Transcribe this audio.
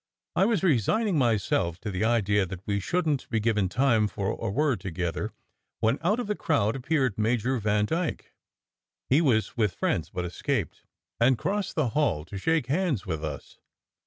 I was resigning myself to the idea that we shouldn t be given time for a word together, when out of the crowd appeared Major Vandyke. He was with friends, but escaped, and crossed the hall to shake hands with us.